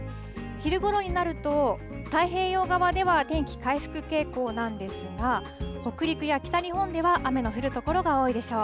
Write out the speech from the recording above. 昼ごろになると、太平洋側では天気回復傾向なんですが、北陸や北日本では雨の降る所が多いでしょう。